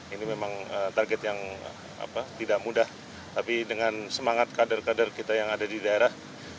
ini memang target yang tidak mudah tapi dengan semangat kader kader kita yang ada di daerah